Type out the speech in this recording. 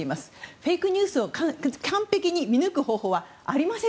フェイクニュースを完璧に見抜く方法はありません。